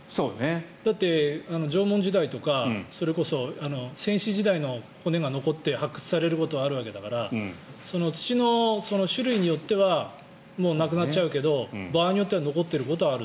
だって縄文時代とかそれこそ先史時代の骨が残って発掘されることがあるわけだから土の種類によってはなくなっちゃうけど場合によっては残っていることもある。